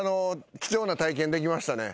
貴重な体験できましたね。